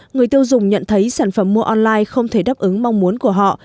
người tiêu dùng nhận thấy sản phẩm mua online không thể đáp ứng mong muốn của họ